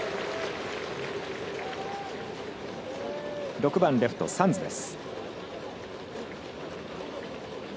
６番レフト、サンズです。